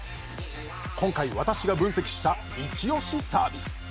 今回私が分析したいち押しサービス。